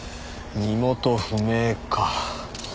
身元不明か。